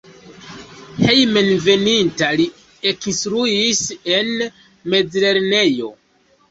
Hejmenveninta li ekinstruis en mezlernejo.